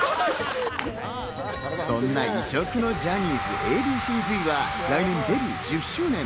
そんな異色のジャニーズＡ．Ｂ．Ｃ−Ｚは来年デビュー１０周年。